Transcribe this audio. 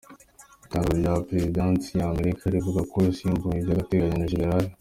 Itangazo rya Perezidansi ya Amerika, rivuga ko yasimbuwe by’agateganyo na Gen.